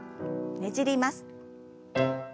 ねじります。